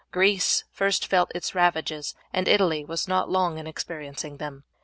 Greece first felt its ravages, and Italy was not long in experiencing them.